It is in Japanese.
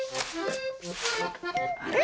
あれ⁉